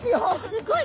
すごい。